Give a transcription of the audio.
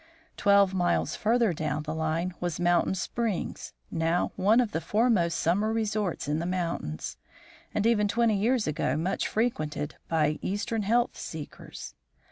Twelve miles further down the line was Mountain Springs, now one of the foremost summer resorts in the mountains, and even twenty years ago much frequented by Eastern health seekers.